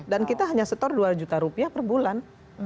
dan kita hanya setor dua juta rupiah per bulan